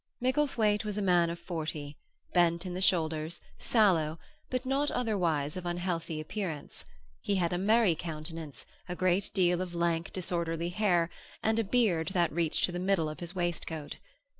Micklethwaite was a man of forty, bent in the shoulders, sallow, but not otherwise of unhealthy appearance; he had a merry countenance, a great deal of lank, disorderly hair, and a beard that reached to the middle of his waistcoat.